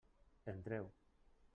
Entreu.